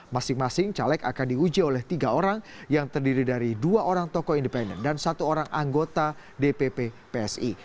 masing masing caleg akan diuji oleh tiga orang yang terdiri dari dua orang tokoh independen dan satu orang anggota dpp psi